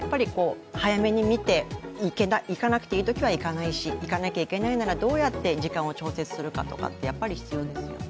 早めに見て、行かなくていいときは行かなくていいし、行かなければいけないときはどうやって時間を調節するかとかって、やっぱり必要ですよね。